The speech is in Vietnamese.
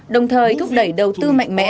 đồng thời thúc đẩy đầu tư mạnh mẽ